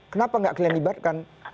kenapa nggak kalian libatkan